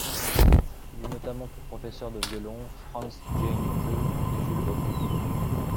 Il eut notamment pour professeur de violon Frantz Jehin-Prume et Jules Hone.